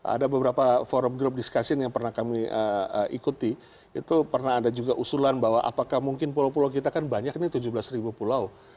ada beberapa forum group discussion yang pernah kami ikuti itu pernah ada juga usulan bahwa apakah mungkin pulau pulau kita kan banyak nih tujuh belas ribu pulau